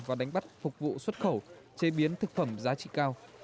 và đánh bắt phục vụ xuất khẩu chế biến thực phẩm giá trị cao